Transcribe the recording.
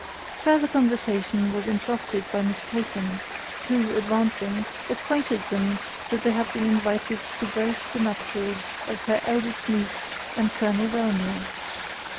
Further conversation was interrupted by Miss Peyton, who, advancing, acquainted them that they had been invited to grace the nuptials of her eldest niece and Colonel Wellmere.